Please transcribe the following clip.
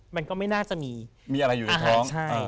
มันก็ไม่น่าจะมีอาหารใช่